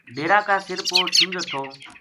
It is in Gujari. ڈیرا کا سِر پو شِنگر تھو